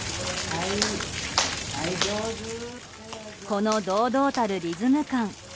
この堂々たるリズム感。